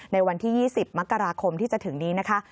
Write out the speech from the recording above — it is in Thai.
ในวันที่๒๐มกราคมที่จะถึงนี้นะคะ